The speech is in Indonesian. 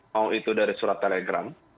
mau itu dari surat telegram